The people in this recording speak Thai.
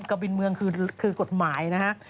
กระบินเมืองคือกฎหมายนะฮะ